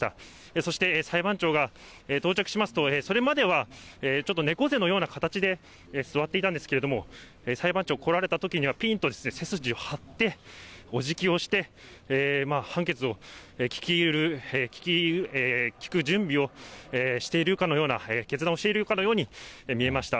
そして裁判長が到着しますと、それまではちょっと猫背のような形で座っていたんですけれども、裁判長、来られたときには、ぴんと背筋を張っておじぎをして、判決を聞く準備をしているかのような、決断をしているかのように見えました。